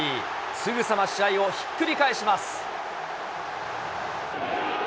すぐさま試合をひっくり返します。